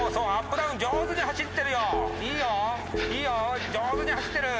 ダウン上手に走ってる！